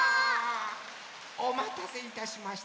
おまたせいたしました。